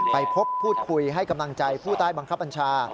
ไปพบพูดคุยให้กำลังใจผู้ใต้บังคับบัญชา